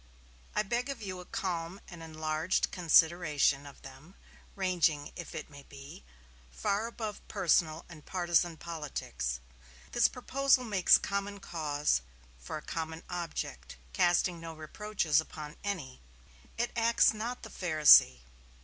I beg of you a calm and enlarged consideration of them, ranging, if it may be, far above personal and partizan politics. This proposal makes common cause for a common object, casting no reproaches upon any. It acts not the Pharisee.